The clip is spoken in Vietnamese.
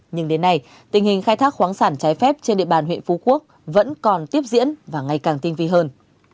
nhưng đến nay tình hình khai thác khoáng sản trái phép trên địa bàn huyện phú quốc vẫn còn tiếp diễn và ngày càng tinh vi hơn